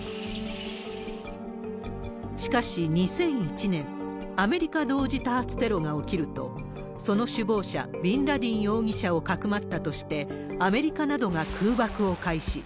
しかし２００１年、アメリカ同時多発テロが起きると、その首謀者、ビンラディン容疑者をかくまったとして、アメリカなどが空爆を開始。